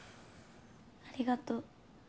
ありがとう。